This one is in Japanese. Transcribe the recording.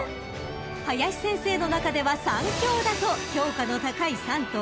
［林先生の中では「３強だ！」と評価の高い３頭］